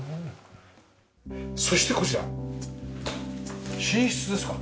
そしてこちら寝室ですか？